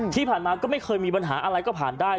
ที่ผ่านมาก็ไม่เคยมีปัญหาอะไรก็ผ่านได้